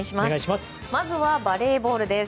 まずはバレーボールです。